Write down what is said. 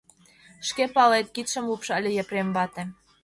— Шке палет, — кидшым лупшале Епрем вате.